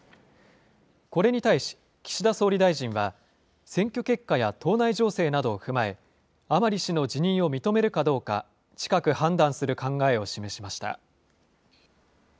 これに対し、岸田総理大臣は、選挙結果や党内情勢などを踏まえ、甘利氏の辞任を認めるかどうか、近く判断する考えを示しました。